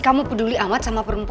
kamu bisa nyari anaknya di rumah